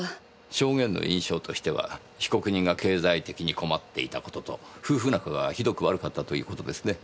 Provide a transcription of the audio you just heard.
証言の印象としては被告人が経済的に困っていた事と夫婦仲がひどく悪かったという事ですね。